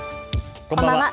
こんばんは。